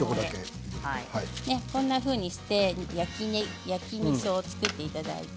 こうやって焼きみそを作っていただいて。